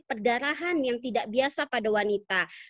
perdarahan yang tidak biasa pada wanita